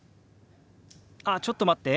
「ああちょっと待って。